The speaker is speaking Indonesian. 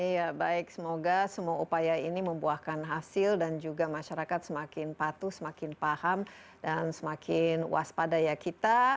ya baik semoga semua upaya ini membuahkan hasil dan juga masyarakat semakin patuh semakin paham dan semakin waspada ya kita